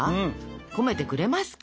込めてくれますか？